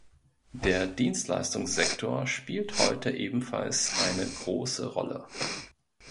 Der Dienstleistungssektor spielt heute ebenfalls eine große Rolle.